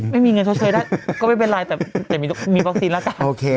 ไม่มีเงินชดเชยได้ก็ไม่เป็นไรแต่มีวัคซีนแล้วกัน